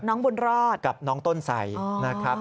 น้องบุญรอดกับน้องต้นใส่นะครับ